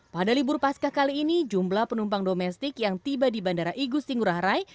pada libur pasca kali ini jumlah penumpang domestik yang tiba di bandara igusti ngurah rai